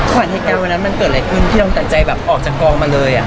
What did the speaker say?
ขวัญในการวันนั้นมันเกิดอะไรขึ้นที่ต้องตั้งใจออกจากกล้องมาเลย